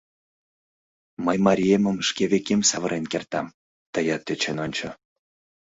— Мый мариемым шке векем савырен кертам, тыят тӧчен ончо...